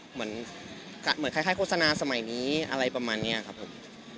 เหมือนคล้ายโฆษณาสมัยนี้อะไรประมาณนี้ครับผม